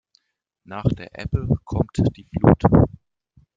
Nach der Ebbe kommt die Flut.